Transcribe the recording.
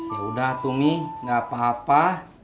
yaudah tuh mi nggak apa apa